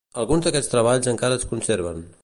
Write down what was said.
Alguns d'aquests treballs encara es conserven.